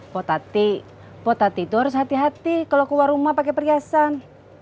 patati patati itu harus hati hati kalo keluar rumah pake perhiasan